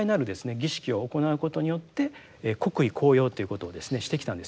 儀式を行うことによって国威高揚っていうことをですねしてきたんですよね。